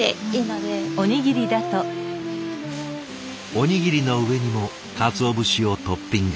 おにぎりの上にも鰹節をトッピング。